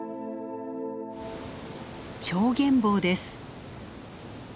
チョウゲンボウです。